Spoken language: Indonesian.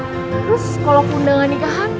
terus kalau keundangan nikahan